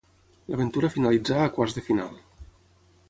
L'aventura finalitzà a quarts de final.